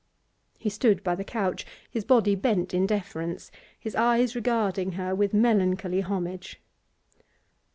He stood by the couch, his body bent in deference, his eyes regarding her with melancholy homage.